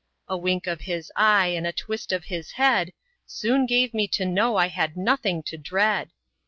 A wink of his eye, and a twist of his head, Soon gave me to know I had nothing to dread.